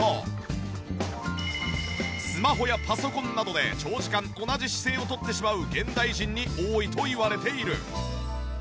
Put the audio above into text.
スマホやパソコンなどで長時間同じ姿勢をとってしまう現代人に多いといわれている。